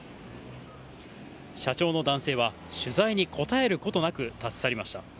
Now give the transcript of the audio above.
社長の男性は、取材に応えることなく立ち去りました。